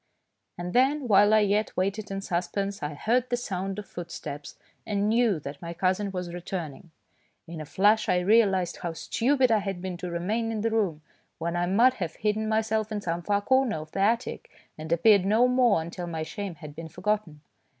And then, while I yet waited in suspense, I heard the sound of footsteps and knew that my cousin was returning. In a flash I realised how stupid I had been to remain in the room, when I might have hidden myself in some far corner of the attic and appeared no more until my shame had been forgotten.